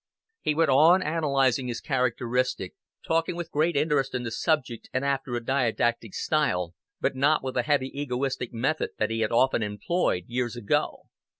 He went on analyzing his characteristics, talking with great interest in the subject, and after a didactic style, but not with the heavy egoistic method that he had often employed years ago.